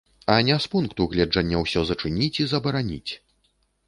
І не з пункту гледжання ўсё зачыніць і забараніць.